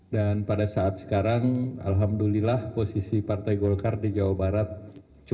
dan pada saat sekarang alhamdulillah posisi partai golkar di jawa barat cukup